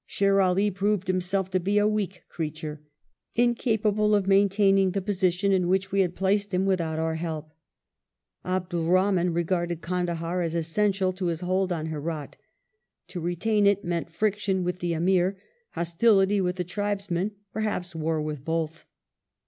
Sher All proved himself to be a weak creature, incapable of maintaining the position in which we had placed him without our help. Abdur Rahman regarded Kandahar as essential to h\» hold on Herat. To retain it meant friction with the Amir, hostility with the tribes men, perhaps war with both.